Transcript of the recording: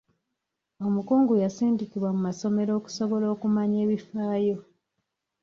Omukungu yasindikibwa mu masomero okusobola okumanya ebifaayo.